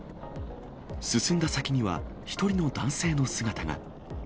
進んだ先には、１人の男性の姿が。